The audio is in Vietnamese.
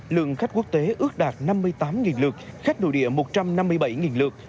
lượng khách quốc tế ước đạt năm mươi tám lượt khách nội địa một trăm năm mươi bảy lượt